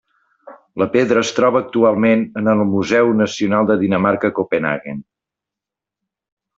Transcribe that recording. La pedra es troba actualment en el Museu Nacional de Dinamarca a Copenhaguen.